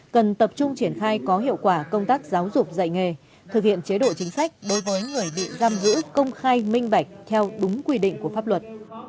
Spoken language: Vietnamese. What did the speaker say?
cần tập trung triển khai có hiệu quả công tác giáo dục dạy nghề thực hiện chế độ chính sách đối với người bị giam giữ công khai minh bạch theo đúng quy định của pháp luật